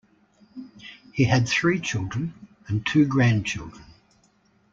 He had three children and two grandchildren.